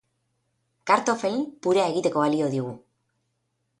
Kartoffeln purea egiteko balio digu!